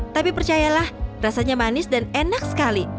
tapi percayalah rasanya manis dan enak sekali